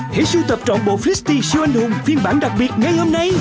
hãy sưu tập trọn bộ frisbee siêu anh hùng phiên bản đặc biệt ngay hôm nay